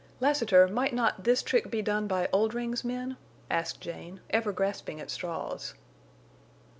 "Lassiter, might not this trick be done by Oldring's men?" asked Jane, ever grasping at straws.